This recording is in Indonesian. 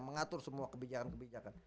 mengatur semua kebijakan kebijakan